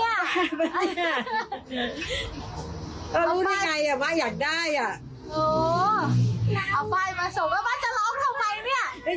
เอาป้ายมาส่งแล้วท่าจะร้องทำไมเนี่ย